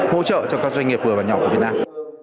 hỗ trợ cho các doanh nghiệp vừa và nhỏ của việt nam